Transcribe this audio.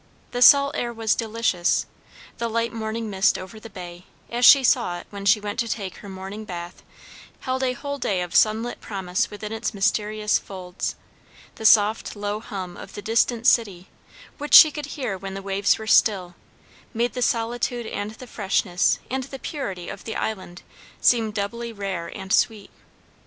The salt air was delicious; the light morning mist over the bay, as she saw it when she went to take her morning bath, held a whole day of sunlit promise within its mysterious folds; the soft low hum of the distant city, which she could hear when the waves were still, made the solitude and the freshness and the purity of the island seem doubly rare and sweet.